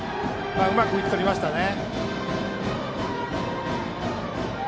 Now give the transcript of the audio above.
うまく打ちとりましたね。